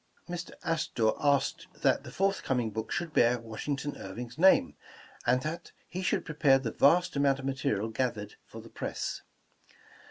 '* Mr. Astor asked that the forthcoming book should bear Washington Irving 's name, and that he should prepare the vast amount of material gathered for the press.